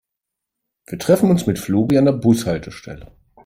Wir treffen uns mit Flori an der Bushaltestelle.